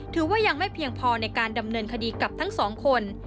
ถือว่ายังไม่เพียงพอในการดำเนินคดีกับทั้งสองคน